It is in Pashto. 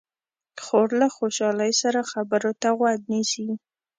خور له خوشحالۍ سره خبرو ته غوږ نیسي.